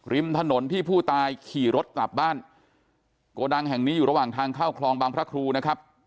ริมถนนที่ผู้ตายขี่รถกลับบ้านโกดังแห่งนี้อยู่ระหว่างทางเข้าคลองบางพระครูนะครับ